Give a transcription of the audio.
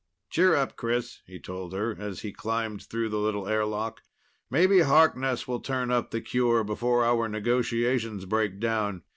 "Cheer up, Chris," he told her as he climbed through the little airlock. "Maybe Harkness will turn up the cure before our negotiations break down.